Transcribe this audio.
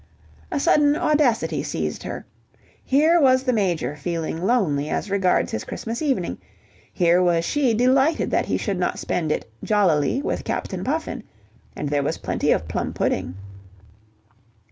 A sudden audacity seized her. Here was the Major feeling lonely as regards his Christmas evening: here was she delighted that he should not spend it "jollily" with Captain Puffin ... and there was plenty of plum pudding.